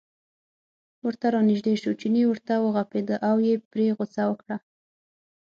ورته را نژدې شو، چیني ورته و غپېده او یې پرې غوسه وکړه.